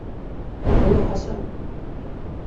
Ataya Ḥasan.